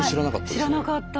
知らなかった！